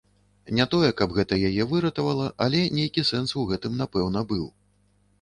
Не тое, каб гэта яе выратавала, але нейкі сэнс у гэтым, напэўна, быў.